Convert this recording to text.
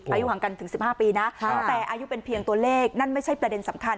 อายุห่างกันถึง๑๕ปีนะแต่อายุเป็นเพียงตัวเลขนั่นไม่ใช่ประเด็นสำคัญ